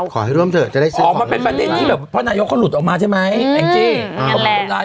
อ๋อมันเป็นประเด็นที่พ่อนายกเขาหลุดออกมาใช่ไหมอันจริง